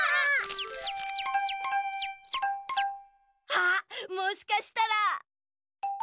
あっもしかしたら。